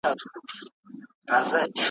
چي په تا یې رنګول زاړه بوټونه ,